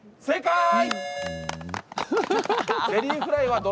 正解！